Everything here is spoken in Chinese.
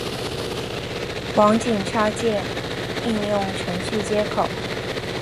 网景插件应用程序接口。